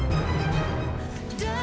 ya allah sat